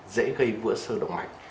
dễ gây vữa sơ động mạch